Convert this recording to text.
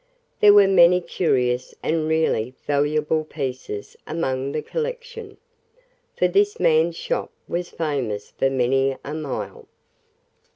There were many curious and really valuable pieces among the collection, for this man's shop was famous for many a mile.